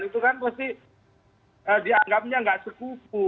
itu kan pasti dianggapnya tidak sekufu